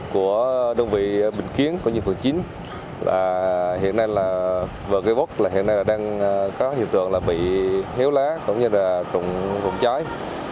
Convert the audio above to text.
quất hiện nay đang có hiện tượng bị hiếu lá cũng như là trụng vùng trái